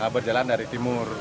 berjalan dari timur